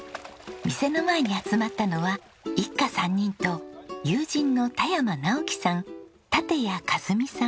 店の前に集まったのは一家３人と友人の田山直樹さん立屋一美さん。